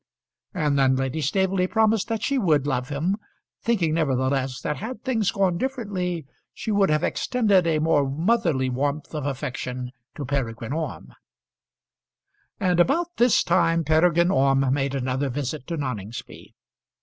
And then Lady Staveley promised that she would love him, thinking nevertheless that had things gone differently she would have extended a more motherly warmth of affection to Peregrine Orme. And about this time Peregrine Orme made another visit to Noningsby.